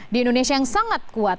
di indonesia yang sangat kuat